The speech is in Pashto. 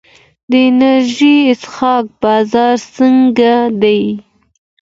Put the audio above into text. د انرژي څښاک بازار څنګه دی؟